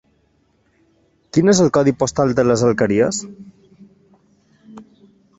Quin és el codi postal de les Alqueries?